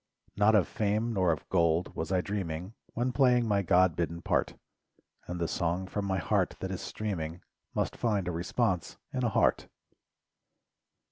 Not of fame nor of gold was I. dreaming When playing my God bidden part, And the song from my heart that is streaming Must find a response in a heart.